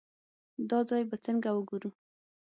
دا ځای به څنګه وګورو.